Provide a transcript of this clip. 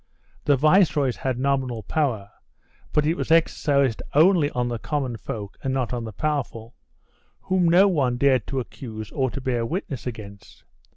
The viceroys had nominal power, but it was exercised only on the common folk and not on the powerful, whom no one dared to accuse or to bear witness against.